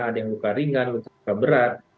ada yang luka ringan luka berat